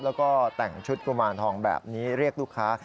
แล้วก็แต่งชุดกุมารทองแบบนี้เรียกลูกค้า